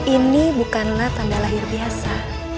ini bukanlah tanda lahir biasa